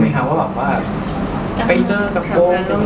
ใกล้เจอกับวง